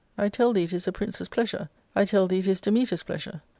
I tell thee it is the prince's pleasure ; I tell thee it is Dametas* pleasure.'